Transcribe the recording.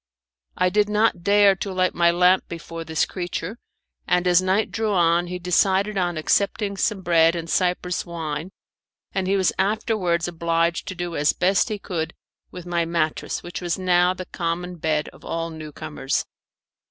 I did not dare to light my lamp before this creature, and as night drew on he decided on accepting some bread and Cyprus wine, and he was afterwards obliged to do as best he could with my mattress, which was now the common bed of all new comers.